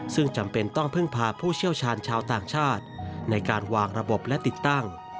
ซึ่งจำเป็นต้องพึ่งพาผู้เชี่ยวชาญชาวต่างชาติในการวางระบบและติดตั้ง